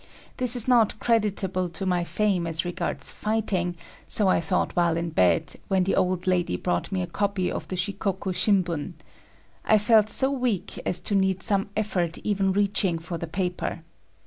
This is not creditable to my fame as regards fighting, so I thought while in bed, when the old lady brought me a copy of the Shikoku Shimbun. I felt so weak as to need some effort even reaching for the paper.